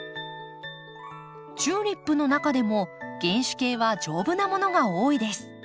チューリップの中でも原種系は丈夫なものが多いです。